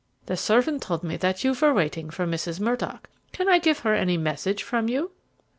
The servant told me that you were waiting for Mrs. Murdock can I give her any message from you?"